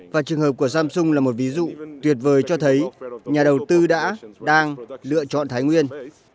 và trường hợp của samsung là một ví dụ tuyệt vời cho thấy nhà đầu tư đã đang lựa chọn thái nguyên